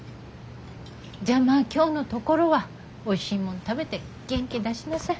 じゃあまぁ今日のところはおいしいもん食べて元気出しなさい。